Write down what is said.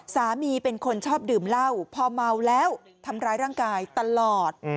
เป็นคนชอบดื่มเหล้าพอเมาแล้วทำร้ายร่างกายตลอด